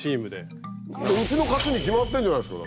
うちの勝ちに決まってんじゃないすか。